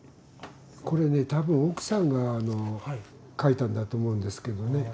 これね多分奥さんが書いたんだと思うんですけどね。